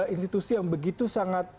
institusi yang begitu sangat